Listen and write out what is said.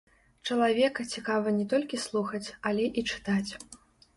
Чалавека цікава не толькі слухаць, але і чытаць.